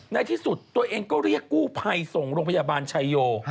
ในที่สุดตัวเองก็เรียกกู้ภัยส่งโรงพยาบาลชายโย